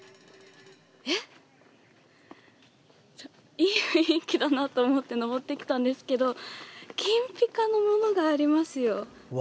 いい雰囲気だなと思って上ってきたんですけど金ぴかのものがありますよ。